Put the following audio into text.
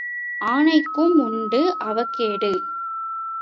ஆனைக்கும் உண்டு அவகேடு.